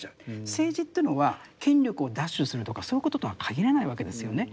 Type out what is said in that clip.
政治というのは権力を奪取するとかそういうこととは限らないわけですよね。